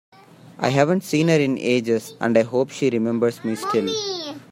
I haven’t seen her in ages, and I hope she remembers me still!